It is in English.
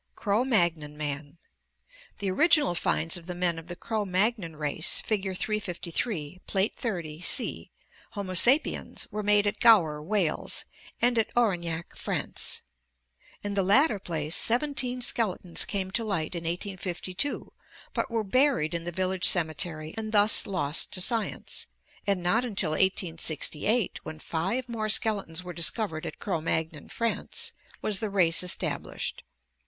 Cro Magnon Man. — The original finds of the men of the Cro Magnon race (Fig. 353; PL XXX, C), Boma sapiens, were made at Gower, Wales, and at Aurignac, France. In the latter place seventeen skeletons came to light in 1852, but were buried in the village cemetery and thus lost to science, and not until 1868, when five more skeletons were discovered at Cro Magnon, France, was the race established.